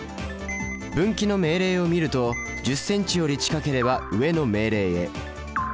分岐の命令を見ると１０ｃｍより近ければ上の命令へ。